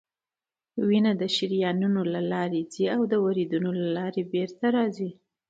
وینه د شریانونو له لارې ځي او د وریدونو له لارې بیرته راځي